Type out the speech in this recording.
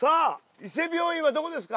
伊勢病院はどこですか？